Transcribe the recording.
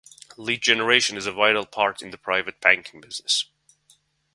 Lead generation is a vital part in the private banking business.